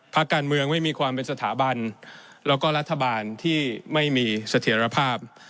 พักการเมืองไม่มีความเป็นสถาบันแล้วก็รัฐบาลที่ไม่มีเสถียรภาพ